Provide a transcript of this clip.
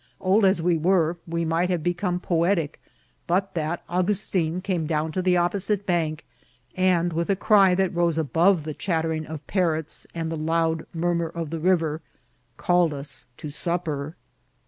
Old as we were, we might have become poetic, but that Augustin came down to the opposite bank, and, with a cry that rose above the chattering of parrots and the loud murmur of the river, called us to supper.